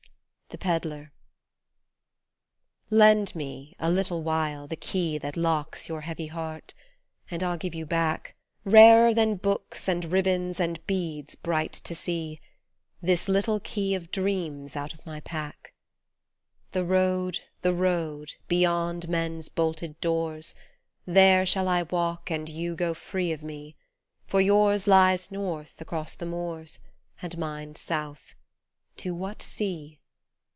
THE PEDLAR LEND me, a little while, the key That locks your heavy heart, and I'll give you back Rarer than books and ribbons and beads bright to see, This little Key of Dreams out of my pack. The road, the road, beyond men's bolted doors, There shall I walk and you go free of me, For yours lies North across the moors, And mine South. To what sea